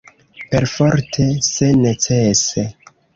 Perforte se necese.